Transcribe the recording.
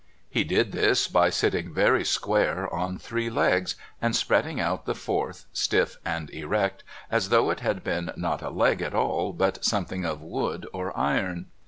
He did this by sitting very square on three legs and spreading out the fourth stiff and erect, as though it had been not a leg at all but something of wood or iron.